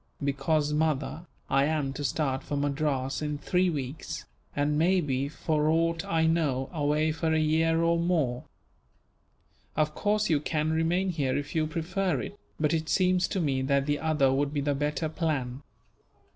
"Because, mother, I am to start for Madras in three weeks; and may be, for aught I know, away for a year or more. Of course you can remain here if you prefer it, but it seems to me that the other would be the better plan."